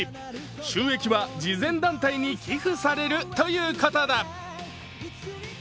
収益は慈善団体に寄付されるということだ。